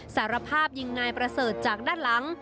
สารภาพยิงนายประเสริฐจากด้านหลัง